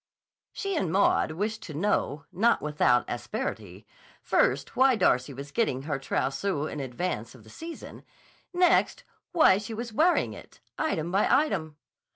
She and Maud wished to know, not without asperity, first why Darcy was getting her trousseau in advance of the season; next, why she was wearing it, item by item.